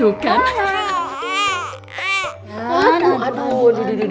udah udah udah